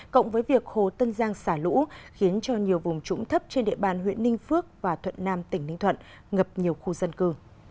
cộng với việc hồ tân giang xả lũ khiến cho nhiều vùng trũng thấp trên địa bàn huyện ninh phước và thuận nam tỉnh ninh thuận ngập nhiều khu dân cư